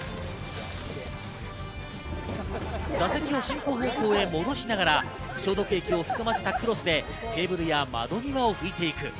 座席を進行方向へ戻しながら消毒液をクロスでテーブルや窓際を拭いていく。